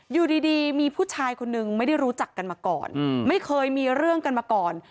อยู่ดีมีผู้ชายคนนึงไม่ได้รู้จักกันมาก่อนไม่เคยมีเรื่องกันมาก่อน